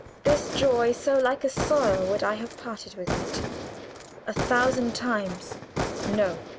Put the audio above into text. This joy, so like a sorrow would I have parted with it? A thousand times, no!